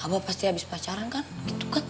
abah pasti abis pacaran kan gitu kan